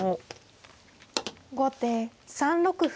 後手３六歩。